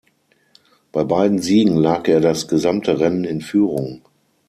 Bei beiden Siegen lag er das gesamte Rennen in Führung.